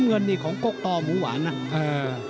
ส่วนคู่ต่อไปของกาวสีมือเจ้าระเข้ยวนะครับขอบคุณด้วย